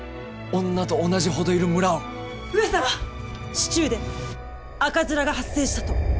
市中で赤面が発生したと。